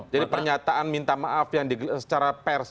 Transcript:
jadi pernyataan minta maaf yang secara pers